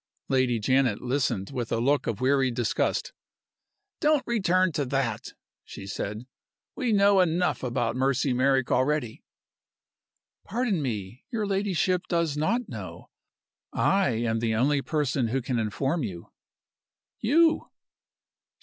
Lady Janet listened with a look of weary disgust. "Don't return to that!" she said. "We know enough about Mercy Merrick already." "Pardon me your ladyship does not know. I am the only person who can inform you." "You?"